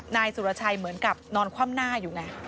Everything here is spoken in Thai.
นายสุรชัยเหมือนกับนอนคว่ำหน้าอยู่ไง